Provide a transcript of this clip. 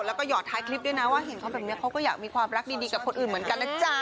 แล้วก็หอดท้ายคลิปด้วยนะว่าเห็นเขาแบบนี้เขาก็อยากมีความรักดีกับคนอื่นเหมือนกันนะจ๊ะ